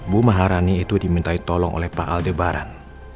bu maharani itu dimintai tolong oleh pak aldebaran